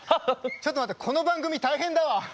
ちょっと待ってこの番組大変だわ。